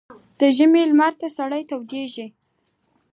ـ د ژمي لمر ته سړى نه تودېږي.